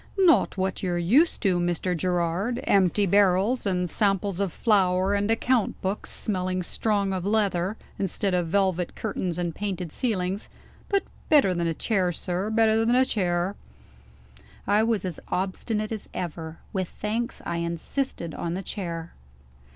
"Not what you're used to, Mr. Gerard. Empty barrels, and samples of flour, and account books smelling strong of leather, instead of velvet curtains and painted ceilings; but better than a chair, sir better than a chair!" I was as obstinate as ever. With thanks, I insisted on the chair.